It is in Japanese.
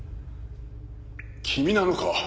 君なのか？